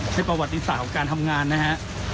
ประวัติศาสตร์ของการทำงานนะฮะ